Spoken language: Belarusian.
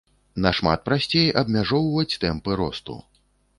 Нашмат прасцей абмяжоўваць тэмпы росту.